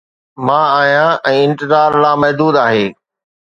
مان آهيان ۽ انتظار لامحدود آهي